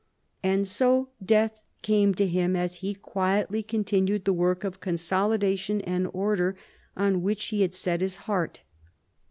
And so death came to him as he quietly continued the work of consolidation and order on which he had set his heart.